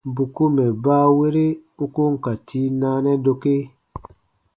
Bù ko mɛ̀ baawere u ko n ka tii naanɛ dokee.